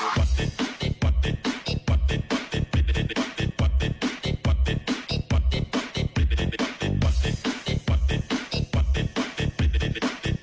โอ้ออกไหม